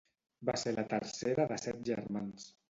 Va ser la tercera de set germans.